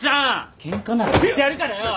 ケンカなら買ってやるからよ！